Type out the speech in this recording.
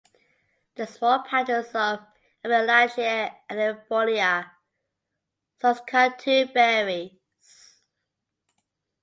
There are small patches of "Amelanchier alnifolia" (Saskatoon berries).